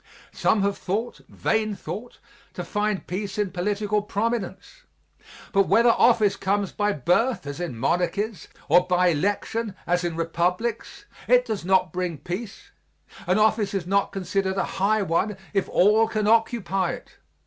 Some have thought, vain thought, to find peace in political prominence; but whether office comes by birth, as in monarchies, or by election, as in republics, it does not bring peace. An office is not considered a high one if all can occupy it.